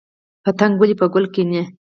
پتنګ ولې په ګل کیني؟